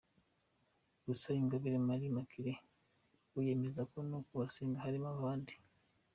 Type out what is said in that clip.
Gusa Ingabire Marie Immaculee we yemeza ko no mu basenga harimo amabandi.